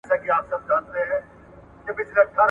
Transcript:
په کڅوڼي کي مي هیڅ داسي پټ مال نه و ایښی.